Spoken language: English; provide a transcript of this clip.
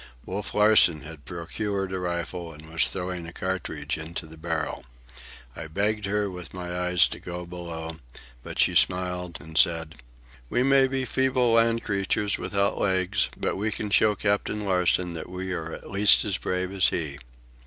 Wolf Larsen had procured a rifle and was throwing a cartridge into the barrel. I begged her with my eyes to go below, but she smiled and said: "We may be feeble land creatures without legs, but we can show Captain Larsen that we are at least as brave as he."